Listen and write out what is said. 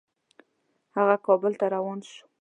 هغه کابل ته روان شو.